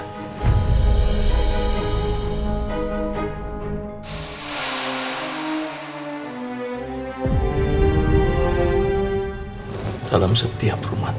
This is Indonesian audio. kalau tuhan tidak diterima hahaha